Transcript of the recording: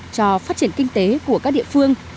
cho phát triển kinh tế của các địa phương